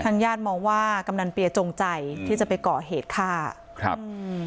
ญาติมองว่ากำนันเปียจงใจที่จะไปก่อเหตุฆ่าครับอืม